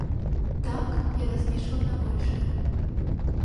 Так, я разлічваў на большае.